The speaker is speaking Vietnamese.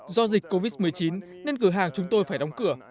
do dịch covid một mươi chín nên cửa hàng chúng tôi phải đóng cửa